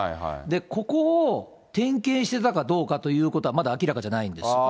ここを点検してたかどうかというのは、まだ明らかじゃないんです。